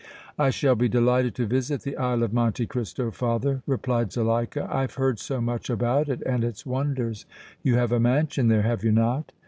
"I shall be delighted to visit the Isle of Monte Cristo, father," replied Zuleika. "I have heard so much about it and its wonders. You have a mansion there, have you not?"